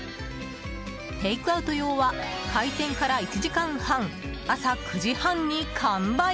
テイクアウト用は開店から１時間半朝９時半に完売。